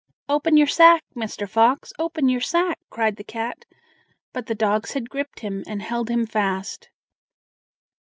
"Open your sack, Mr. Fox! open your sack!" cried the cat, but the dogs had gripped him, and held him fast.